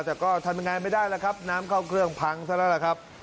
แต่ก็ทำยังไงไม่ได้แล้วครับน้ำเข้าเครื่องพังซะแล้วล่ะครับ